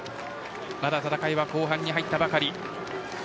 戦いは後半に入ったばかり。